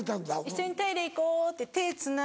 一緒にトイレ行こうって手つないで。